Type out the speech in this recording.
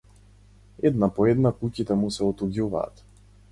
Една по една куќите му се отуѓуваат.